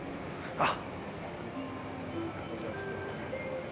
あっ。